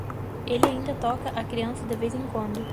Ele ainda toca a criança de vez em quando.